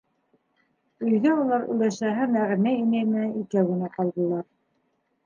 Өйҙә улар өләсәһе Нәғимә инәй менән икәү генә ҡалдылар.